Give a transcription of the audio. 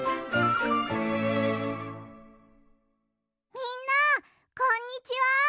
みんなこんにちは！